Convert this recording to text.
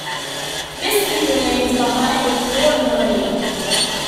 Misty remains behind with Paul and Maureen.